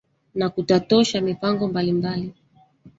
na kutatosha mipango mbalimbali